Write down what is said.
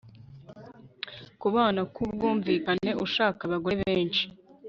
kubana k'ubwumvikane ushaka abagore benshi